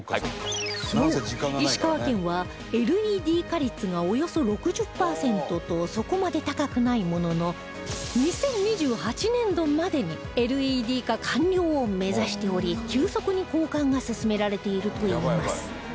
そう石川県は ＬＥＤ 化率がおよそ６０パーセントとそこまで高くないものの２０２８年度までに ＬＥＤ 化完了を目指しており急速に交換が進められているといいます